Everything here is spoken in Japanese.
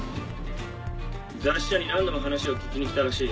雑誌社に何度も話を聞きに来たらしい。